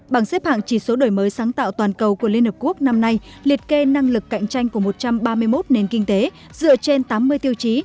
bảng xếp hạng chỉ số đổi mới sáng tạo toàn cầu của liên hợp quốc năm nay liệt kê năng lực cạnh tranh của một trăm ba mươi một nền kinh tế dựa trên tám mươi tiêu chí